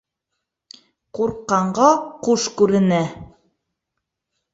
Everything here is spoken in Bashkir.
Ҡурҡҡанға ҡуш күренә.